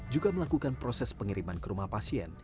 juga melakukan proses pengiriman ke rumah pasien